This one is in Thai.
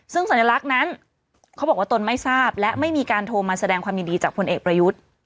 ซึ่งสัญลักษณ์นั้นเขาบอกว่าตนไม่ทราบและไม่มีการโทรมาแสดงความยินดีจากพลเอกประยุทธ์